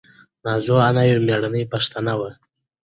نازو انا یوه مېړنۍ پښتنه وه.